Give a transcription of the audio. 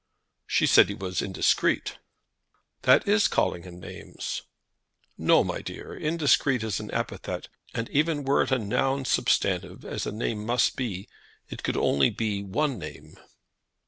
"She said he was indiscreet." "That is calling him names." "No, my dear, indiscreet is an epithet; and even were it a noun substantive, as a name must be, it could only be one name."